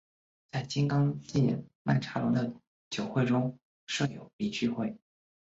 在金刚界曼荼罗的九会中设有理趣会。